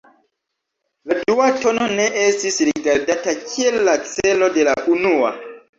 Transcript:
La dua tono ne estis rigardata kiel la 'celo' de la unua.